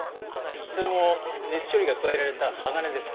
それも熱処理が加えられた鋼です。